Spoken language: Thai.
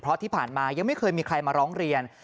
เพราะที่ผ่านมายังไม่เคยมีใครมาร้องเรียน